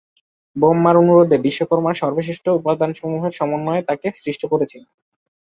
ব্রহ্মার অনুরোধে বিশ্বকর্মা সর্বশ্রেষ্ঠ উপাদানসমূহের সমন্বয়ে তাকে সৃষ্ট করেছিলেন।